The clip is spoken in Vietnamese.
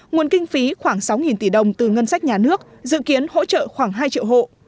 nguồn kinh phí khoảng sáu tỷ đồng từ ngân sách nhà nước dự kiến hỗ trợ khoảng hai triệu hộ